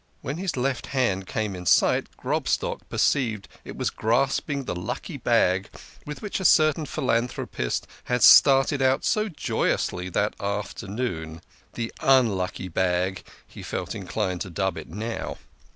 When his left hand came in sight, Grobstock perceived it was grasping the lucky bag with which a certain philanthropist had started out so joyously that afternoon. The unlucky bag he felt inclined to dub it now.